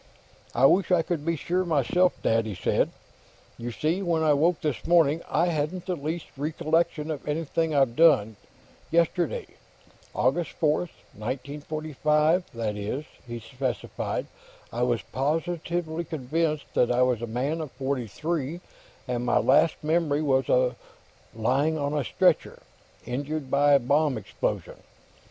"I wish I could be sure, myself, Dad," he said. "You see, when I woke, this morning, I hadn't the least recollection of anything I'd done yesterday. August 4, 1945, that is," he specified. "I was positively convinced that I was a man of forty three, and my last memory was of lying on a stretcher, injured by a bomb explosion.